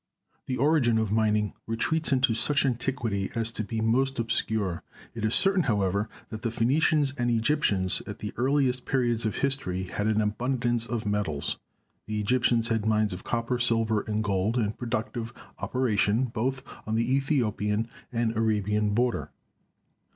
The origin of mining retreats into such antiquity as to be most obscure. It is certain, however, that the Pheni cians and Egyptians at the earliest periods of history had an abundance of metals. The Egyptians had mines of copper, silver and gold in productive operation both on the Ethiopian and Arabian border.